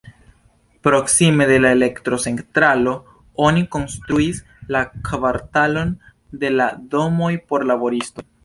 Proksime de la elektrocentralo oni konstruis la kvartalon de la domoj por laboristoj.